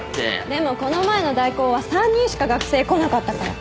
でもこの前の代講は３人しか学生来なかったから。